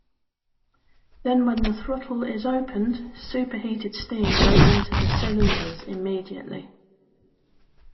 Then when the throttle is opened, superheated steam goes to the cylinders immediately.